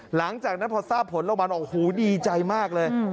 หลังจากนั้นพอทราบผลออกมาอร่อยดีใจมากเลย